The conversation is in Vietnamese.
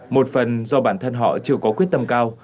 một phần do bản thân họ chưa có quyết tâm cao